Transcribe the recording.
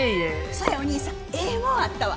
そうやお兄さんええもんあったわ！